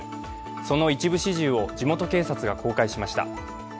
その一部始終を地元警察が公開しました。